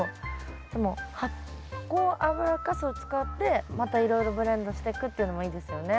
でも発酵油かすを使ってまたいろいろブレンドしていくっていうのもいいですよね。